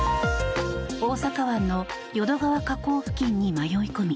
大阪湾の淀川河口付近に迷い込み